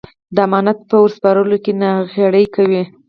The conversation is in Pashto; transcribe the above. د امانت په ور سپارلو کې ناغېړي کوي.